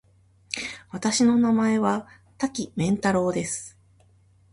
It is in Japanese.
私の名前は多岐麺太郎です。